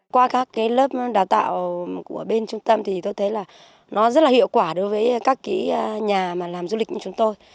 qua các lớp đào tạo của bên trung tâm thì tôi thấy là nó rất là hiệu quả đối với các nhà mà làm du lịch như chúng tôi